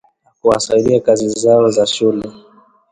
Hakuwasaidia kazi zao za shule